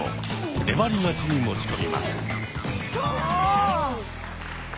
粘り勝ちに持ち込みます。